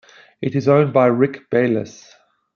It is owned by Rick Bayless.